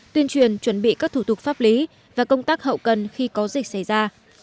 tuyên truyền chuẩn bị các thủ tục pháp lý và công tác hậu cần khi có dịch xảy ra